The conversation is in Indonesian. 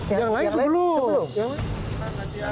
yang lain sebelum